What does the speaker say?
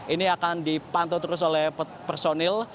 ini akan dipantau terus oleh personil